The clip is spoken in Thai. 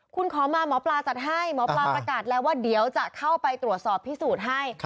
คุณขอมาหมอปลาจัดให้หมอปลาประกาศแล้วว่าเดี๋ยวจะเข้าไปตรวจสอบพิสูจน์ให้